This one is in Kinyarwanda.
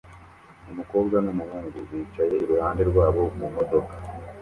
Umukobwa n'umuhungu bicaye iruhande rwabo mumodoka